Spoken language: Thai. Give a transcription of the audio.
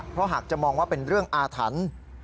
เพราะหากจะมองว่าเป็นเรื่องอาถรรพ์